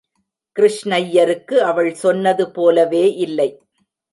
கிருஷ்ணய்யருக்கு அவள் சொன்னது போலவே இல்லை.